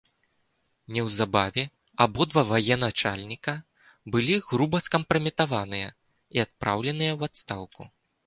Неўзабаве абодва ваеначальніка былі груба скампраметаваныя і адпраўленыя ў адстаўку.